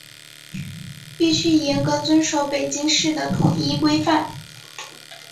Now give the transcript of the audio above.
必须严格遵守北京市的统一规范